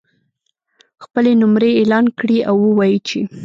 خپلې نمرې اعلان کړي او ووایي چې